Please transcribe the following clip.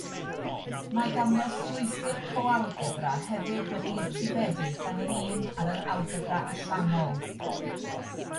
Mae ganddo strwythur coalgebra hefyd wedi'i etifeddu gan yr un ar yr algebra allanol.